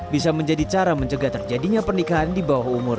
bisa menjadi cara mencegah terjadinya pernikahan di bawah umur